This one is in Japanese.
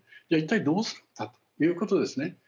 じゃあ一体どうするんだということですね。